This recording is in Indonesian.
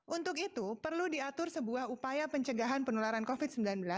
untuk itu perlu diatur sebuah upaya pencegahan penularan covid sembilan belas